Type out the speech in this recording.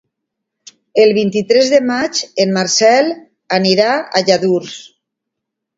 El vint-i-tres de maig en Marcel anirà a Lladurs.